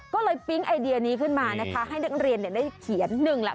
ก็เลยปิ๊งไอเดียนี้ขึ้นมานะคะให้นักเรียนได้เขียนหนึ่งแหละ